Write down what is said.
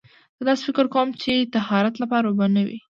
زه داسې فکر کوم چې طهارت لپاره اوبه نه وي.